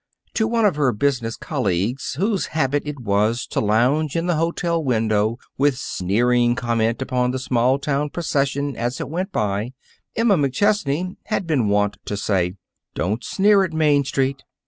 To those of her business colleagues whose habit it was to lounge in the hotel window with sneering comment upon the small town procession as it went by, Emma McChesney had been wont to say: "Don't sneer at Main Street.